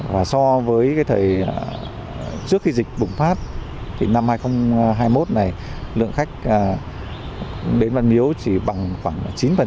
và so với trước khi dịch bùng phát thì năm hai nghìn hai mươi một này lượng khách đến văn miếu chỉ bằng khoảng chín